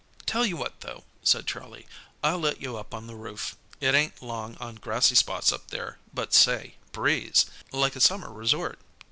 "Tell you what, though," said Charlie. "I'll let you up on the roof. It ain't long on grassy spots up there, but say, breeze! Like a summer resort.